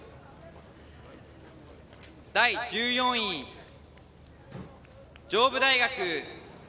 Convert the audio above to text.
１４位、上武大学。